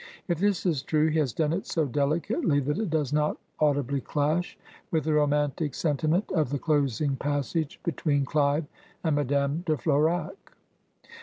If this is true, he has done it so delicately that it does not audibly clash with the romantic sentiment of the closing passage be tween CUve and Madame de Florae.